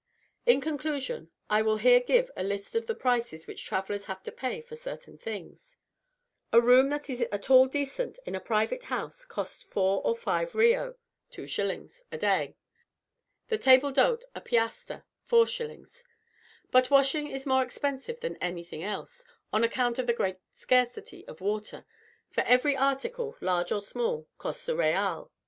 In conclusion, I will here give a list of the prices which travellers have to pay for certain things: A room that is at all decent in a private house costs four or five reaux (2s.) a day; the table d'hote a piaster (4s.); but washing is more expensive than anything else, on account of the great scarcity of water, for every article, large or small, costs a real (6d.).